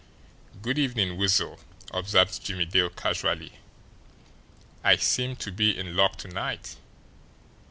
"Good evening, Weasel," observed Jimmie Dale casually. "I seem to be in luck to night.